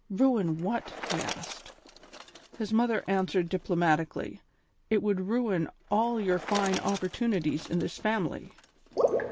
"Ruin what?" he asked. His mother answered diplomatically. "It would ruin all your fine opportunities in this family."